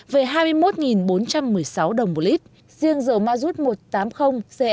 về hai mươi một bốn trăm một mươi sáu đồng một lít riêng dầu ma rút một trăm tám mươi c